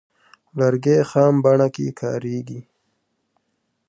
لرګی خام بڼه کې کاریږي.